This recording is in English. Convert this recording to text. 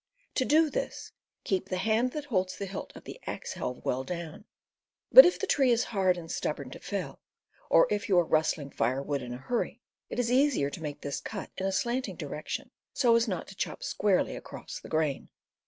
To do this keep the hand that holds the hilt of the axe helve well down. But if the tree is hard and stubborn to fell, or if you are rustling firewood in a hurry, it is easier to make this cut in a slanting direction, so as not to chop squarely across the grain.